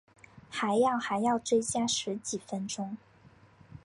还要还要追加十几分钟